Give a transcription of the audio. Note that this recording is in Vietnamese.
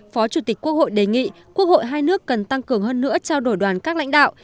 phó chủ tịch quốc hội đề nghị quốc hội hai nước cần tăng cường hơn nữa trao đổi đoàn các lãnh đạo